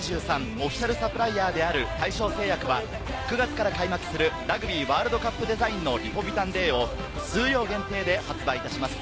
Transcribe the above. オフィシャルサプライヤーである大正製薬は、９月から開幕するラグビーワールドカップデザインのリポビタンＤを数量限定で発売いたします。